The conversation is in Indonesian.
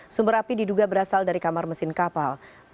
sumber api diduga berasal dari kamar mesin kapal